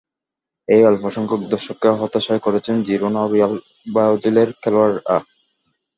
এই অল্পসংখ্যক দর্শককে হতাশই করেছেন জিরোনা ও রিয়াল ভায়াদোলিদের খেলোয়াড়েরা।